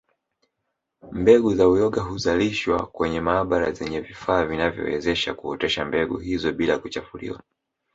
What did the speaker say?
Mbegu za uyoga huzalishwa kwenye maabara zenye vifaa vinavyowezesha kuotesha mbegu hizo bila kuchafuliwa